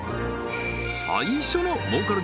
最初の儲かる